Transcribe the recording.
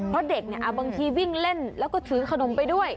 เพราะเด็กบางทีวิ่งเล่นแล้วก็ถือขนมไปด้วย